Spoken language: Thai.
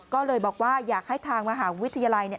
ก็เลยบอกว่าอยากให้ทางมหาวิทยาลัยเนี่ย